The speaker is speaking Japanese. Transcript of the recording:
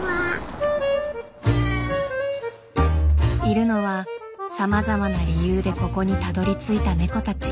いるのはさまざまな理由でここにたどりついたネコたち。